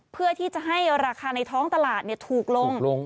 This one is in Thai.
เพื่อที่จะให้ราคาในท้องตลาดถูกลง